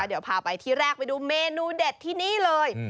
เดี๋ยวพาไปที่แรกไปดูเมนูเด็ดที่นี่เลย